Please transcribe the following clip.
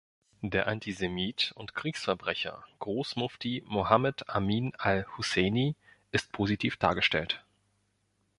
Der Antisemit und Kriegsverbrecher Großmufti Mohammed Amin al-Husseini ist positiv dargestellt.